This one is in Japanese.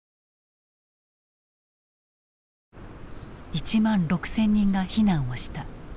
１万６，０００人が避難をした。